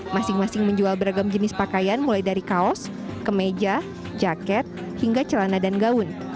masing masing menjual beragam jenis pakaian mulai dari kaos kemeja jaket hingga celana dan gaun